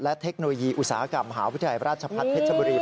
และเทคโนโลยีอุตสาหกรรมมหาวิทยาลัยราชพัฒน์เพชรบุรี